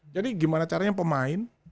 jadi gimana caranya pemain